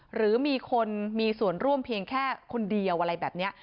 หรือมีคนมีส่วนร่วมเพียงแค่คนเดียวอะไรแบบนี้